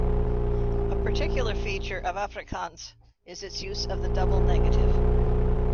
A particular feature of Afrikaans is its use of the double negative.